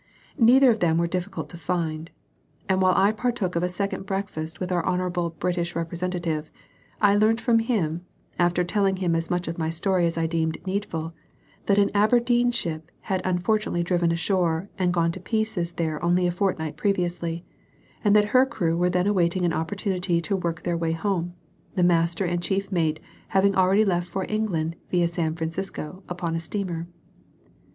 Neither of them were difficult to find; and while I partook of a second breakfast with our hospitable British representative, I learnt from him after telling him as much of my story as I deemed needful that an Aberdeen ship had unfortunately driven ashore and gone to pieces there only a fortnight previously, and that her crew were then awaiting an opportunity to work their way home, the master and chief mate having already left for England via San Francisco, in a steamer.